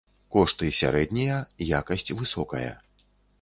Кошты сярэднія, якасць высокая.